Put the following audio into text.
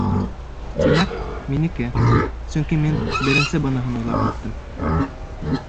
Тимәк, минеке, сөнки мин беренсе быныһын уйлап еттем.